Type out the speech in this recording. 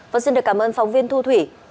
vâng xin được cảm ơn phóng viên thu thủy